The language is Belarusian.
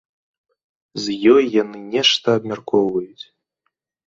З ёй яны нешта абмяркоўваюць.